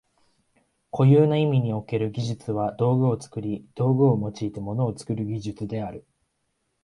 固有な意味における技術は道具を作り、道具を用いて物を作る技術である。